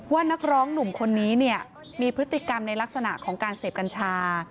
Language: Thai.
นักร้องหนุ่มคนนี้เนี่ยมีพฤติกรรมในลักษณะของการเสพกัญชา